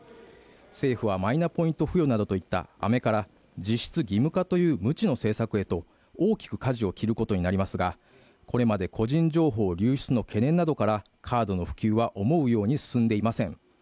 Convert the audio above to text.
政府はマイナポイント付与などといったアメから実質義務化というムチの政策へと大きく舵を切ることになりますがこれまで個人情報流出の懸念などからカードの普及は思うように進んでいません